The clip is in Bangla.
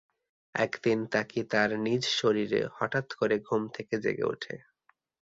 একদিন তাকি তার নিজ শরীরে হঠাৎ করে ঘুম থেকে জেগে উঠে।